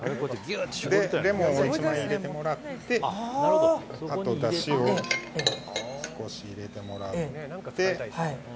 レモンを１枚入れてもらってあと、だしを少し入れてもらって。